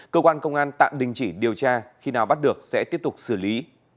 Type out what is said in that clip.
cơ quan công an tạm đình chỉ điều tra khi nào bắt được sẽ tiếp tục xử lý